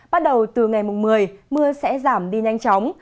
bắt đầu từ ngày một mươi mưa sẽ giảm đi nhanh chóng